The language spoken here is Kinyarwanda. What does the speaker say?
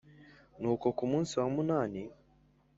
Nuko ku munsi wa munani